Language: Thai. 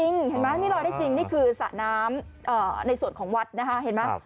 นี่คือสระน้ำในส่วนของวัดนะฮะเห็นไหม